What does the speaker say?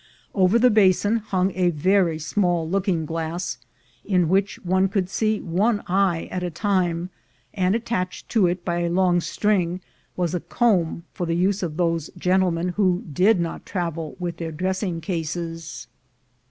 Over the basin hung a very small looking glass, in which one could see one eye at a time; and attached to it by a long string was a comb for the use of those gentlemen who did not travel with their dressing cases.